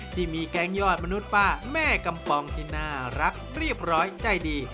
แกงยอดมนุษย์ป้าแม่กำปองที่น่ารักเรียบร้อยใจดี